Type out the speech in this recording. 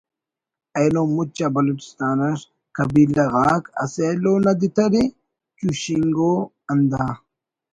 اینو مچ آ بلوچستان اٹ قبیلہ غاک اسہ ایلو نا دِتر ءِ چوشنگ ءُ ہندا